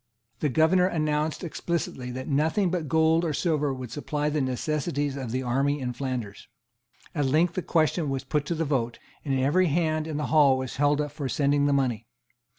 The Governor announced explicitly that nothing but gold or silver would supply the necessities of the army in Flanders. At length the question was put to the vote; and every hand in the Hall was held up for sending the money.